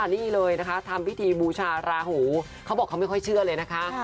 นี่เลยนะคะทำพิธีบูชาราหูเขาบอกเขาไม่ค่อยเชื่อเลยนะคะ